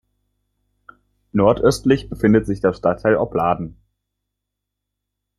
Nordöstlich befindet sich der Stadtteil Opladen.